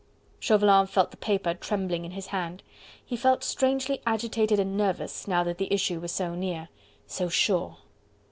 Chauvelin felt the paper trembling in his hand. He felt strangely agitated and nervous, now that the issue was so near... so sure!...